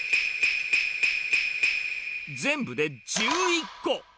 全部で１１個。